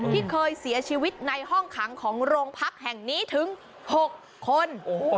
ที่เคยเสียชีวิตในห้องขังของโรงพักแห่งนี้ถึง๖คน